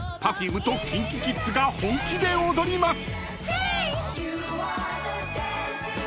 ［ＰｅｒｆｕｍｅとＫｉｎＫｉＫｉｄｓが本気で踊ります］